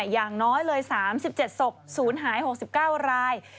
อย่างน้อยเลย๓๗ศพศูนย์หาย๖๙ราย